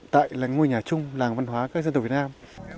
tại ngôi nhà chung làng văn hóa các dân tộc việt nam